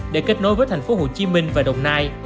để kết nối với thành phố hồ chí minh và đồng nai